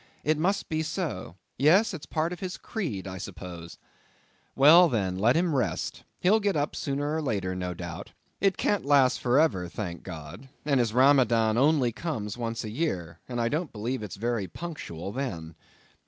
It must be so; yes, it's part of his creed, I suppose; well, then, let him rest; he'll get up sooner or later, no doubt. It can't last for ever, thank God, and his Ramadan only comes once a year; and I don't believe it's very punctual then.